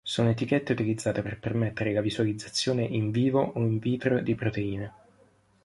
Sono etichette utilizzate per permettere la visualizzazione "in vivo" o "in vitro" di proteine.